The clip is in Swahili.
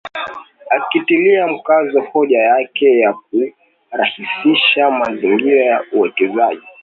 Akitilia mkazo hoja yake ya kurahisisha mazingira ya uwekezaji